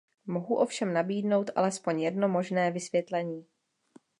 Mohu ovšem nabídnout alespoň jedno možné vysvětlení.